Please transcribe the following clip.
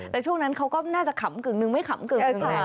แต่ช่วงนั้นเขาก็น่าจะขำกึ่งหนึ่งไม่ขำกึ่งหนึ่งแหละ